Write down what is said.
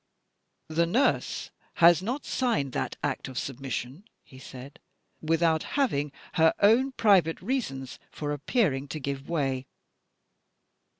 "The nurse has not signed that act of submission," he said, "without having her own private reasons for appearing to give way.